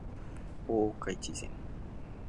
大岡越前